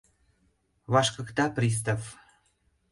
— вашкыкта пристав.